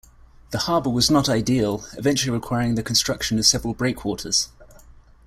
The harbour was not ideal, eventually requiring the construction of several breakwaters.